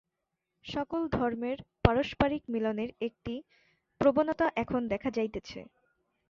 সকল ধর্মের পারস্পরিক মিলনের একটি প্রবণতা এখন দেখা যাইতেছে।